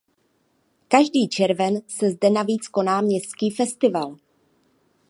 Každý červen se zde navíc koná městský festival.